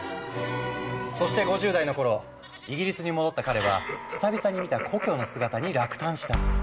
そして５０代の頃イギリスに戻った彼は久々に見た故郷の姿に落胆した。